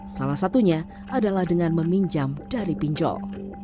salah satunya adalah dengan meminjam dari pinjol